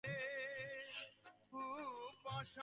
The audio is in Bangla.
আহা, মানুষ যদি পুরুষ, পুরুষেরা হইতে পারিত মেয়ে।